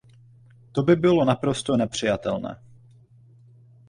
To by bylo naprosto nepřijatelné.